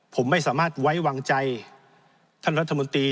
ผมไม่สามารถไว้วางใจท่านรัฐมนตรี